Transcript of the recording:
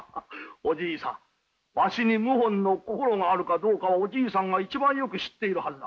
おじいさんわしに謀反の心があるかどうかはおじいさんが一番よく知っているはずだ。